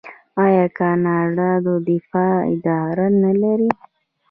آیا کاناډا د دفاع اداره نلري؟